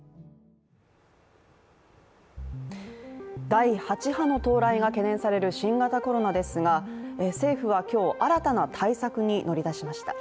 第８波の到来が懸念される新型コロナですが政府は今日、新たな対策に乗り出しました。